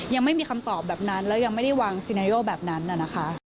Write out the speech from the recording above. ยังไม่มีคำตอบแบบนั้นและยังไม่ได้วางสินาโรแบบนั้น